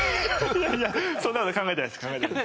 いやいやそんなこと考えてないです。